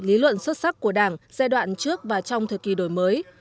lý luận xuất sắc của đảng giai đoạn trước và trong thời kỳ đổi mới